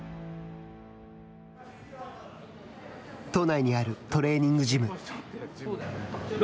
都内にあるトレーニングジム。